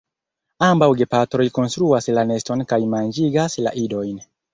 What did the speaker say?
Ambaŭ gepatroj konstruas la neston kaj manĝigas la idojn.